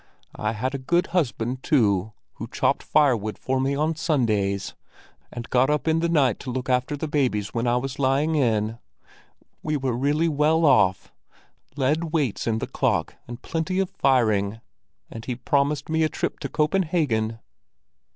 I had a good husband, too, who chopped firewood for me on Sundays, and got up in the night to look after the babies when I was lying in. We were really well off—lead weights in the clock and plenty of firing; and he promised me a trip to Copenhagen.